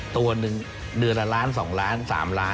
ก็คือคุณอันนบสิงต์โตทองนะครับ